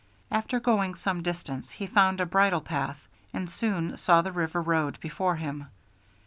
After going some distance he found a bridle path, and soon saw the river road before him.